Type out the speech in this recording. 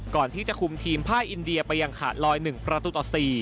ก่อนที่จะคุมทีมภาคอินเดียไปยังหาดลอย๑ประตูต่อ๔